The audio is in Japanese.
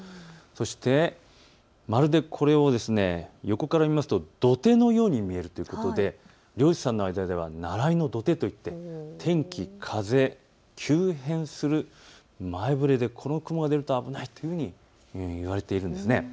そしてまるでこれを横から見ると土手のように見えるということで漁師さんの間ではナライの土手といって、天気、風、急変する前触れでこの雲が出ると危ないというふうにいわれているんです。